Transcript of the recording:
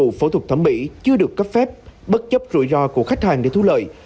dịch vụ phẫu thuật thẩm mỹ chưa được cấp phép bất chấp rủi ro của khách hàng để thu lợi